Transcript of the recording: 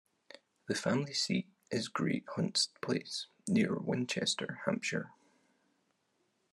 The family seat is Great Hunts Place, near Winchester, Hampshire.